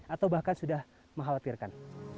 atau bahkan sudah mengkhawatirkan